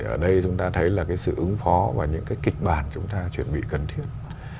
ở đây chúng ta thấy là cái sự ứng phó và những cái kịch bản chúng ta chuẩn bị cần thiết